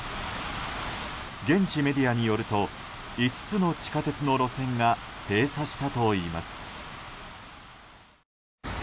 現地メディアによると５つの地下鉄の路線が閉鎖したといいます。